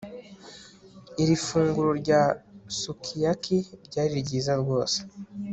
Iri funguro rya sukiyaki ryari ryiza rwose